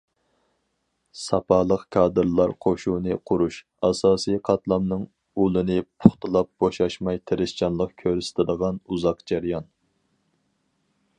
ساپالىق كادىرلار قوشۇنى قۇرۇش، ئاساسىي قاتلامنىڭ ئۇلىنى پۇختىلاش بوشاشماي تىرىشچانلىق كۆرسىتىدىغان ئۇزاق جەريان.